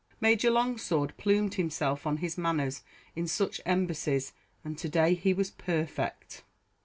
Major Longsword plumed himself on his manners in such embassies, and to day he was perfect.